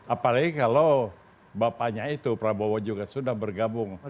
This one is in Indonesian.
apalagi kalau bapaknya itu prabowo juga sudah bergabung